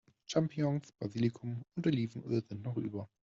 Champignons, Basilikum und Olivenöl sind noch über.